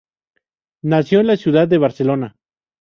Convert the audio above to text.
Nació en la ciudad de Barcelona.